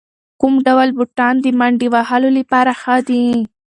کوم ډول بوټان د منډې وهلو لپاره ښه دي؟